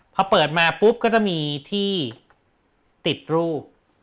พอเปิดมาปุ๊บก็จะมีที่ติดรูป